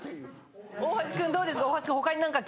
大橋君どうですか？